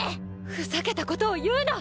ふざけた事を言うな！